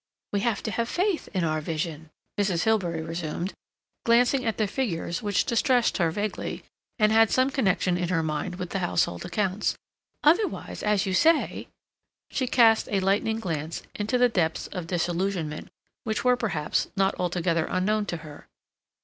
"We have to have faith in our vision," Mrs. Hilbery resumed, glancing at the figures, which distressed her vaguely, and had some connection in her mind with the household accounts, "otherwise, as you say—" She cast a lightning glance into the depths of disillusionment which were, perhaps, not altogether unknown to her.